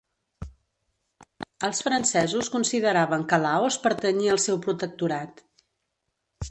Els francesos consideraven que Laos pertanyia al seu protectorat.